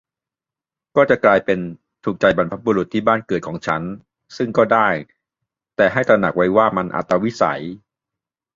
ก็จะกลายเป็น "ถูกใจบรรพบุรุษที่บ้านเกิดของฉัน" ซึ่งก็ได้ แต่ให้ตระหนักไว้ว่ามันอัตวิสัย